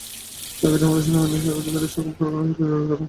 টোকিওতে আমাদের সেনাবাহিনীকে সাহায্যকারী সকল কারখানার সাথে যোগাযোগ কর।